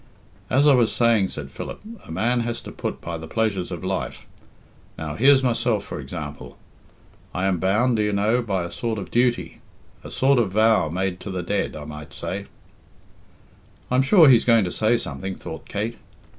"As I was saying," said Philip, "a man has to put by the pleasures of life. Now here's myself, for example. I am bound, do you know, by a kind of duty a sort of vow made to the dead, I might say " "I'm sure he's going to say something," thought Kate.